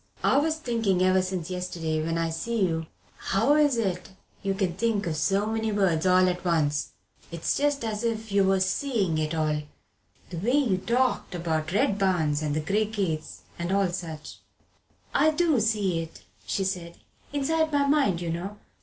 "I was thinking ever since yesterday when I see you how is it you can think o' so many words all at once. It's just as if you was seeing it all the way you talked about the red barns and the grey gates and all such." "I do see it," she said, "inside my mind, you know.